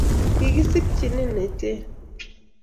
Kigisikchinin Iten